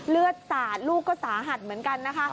เลือดสาดลูกก็สาหัสเหมือนกันนะคะ